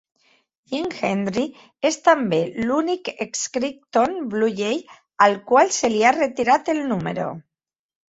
Jim Hendry és també l'únic ex-Creighton Bluejay al qual se li ha retirat el número.